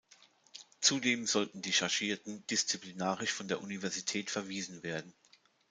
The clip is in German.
Zudem sollten die Chargierten disziplinarisch von der Universität verwiesen werden.